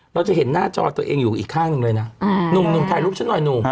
เราจะเห็นหน้าจอตัวเองอยู่อีกข้างหนึ่งเลยนะหนุ่มถ่ายรูปฉันหน่อยหนุ่ม